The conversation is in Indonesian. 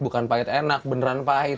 bukan pahit enak beneran pahit